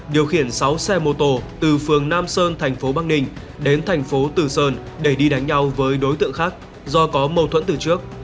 điều khiển sáu xe mô tô từ phường nam sơn thành phố bắc ninh đến thành phố từ sơn để đi đánh nhau với đối tượng khác do có mâu thuẫn từ trước